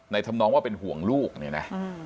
ทำนองว่าเป็นห่วงลูกเนี่ยนะ